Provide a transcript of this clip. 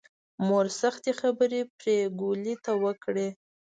مور سختې خبرې پري ګلې ته وکړې